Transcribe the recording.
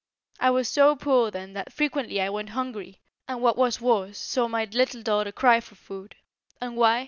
I was so poor then that frequently I went hungry, and what was worse saw my little daughter cry for food. And why?